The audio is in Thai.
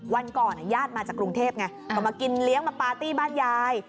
วันก่อนญาติมาจากกรุงเทพไงก็มากินเลี้ยงมาปาร์ตี้บ้านยาย